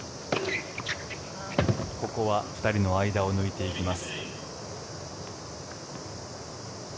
ここは２人の間を抜いていきます。